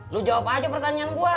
lo jawab aja pertanyaan gua